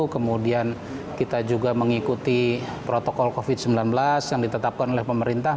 kemudian kita juga mengikuti protokol covid sembilan belas yang ditetapkan oleh pemerintah